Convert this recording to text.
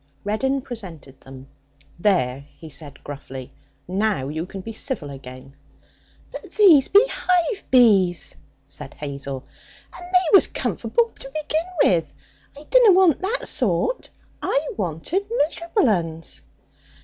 Reddin presented them. 'There,' he said gruffly; 'now you can be civil again.' 'But these be hive bees!' said Hazel, 'and they was comforble to begin with! I dunna want that sort. I wanted miserable uns!'